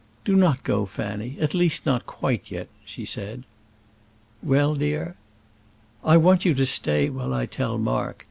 "Do not go, Fanny; at least not quite yet," she said. "Well, dear?" "I want you to stay while I tell Mark.